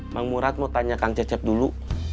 bang murad mau tanyakan cecep dulu